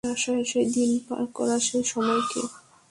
আশায় আশায় দিন পার করা সেই সময়কে বাংলাদেশ পার করে এসেছে বহু আগে।